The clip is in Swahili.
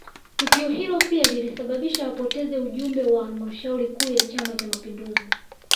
Tukio hilo pia lilisababisha apoteze ujumbe wa halmashauri kuu ya chama cha mapinduzi